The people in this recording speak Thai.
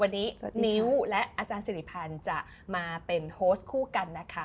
วันนี้นิ้วและอาจารย์สิริพันธ์จะมาเป็นโฮสคู่กันนะคะ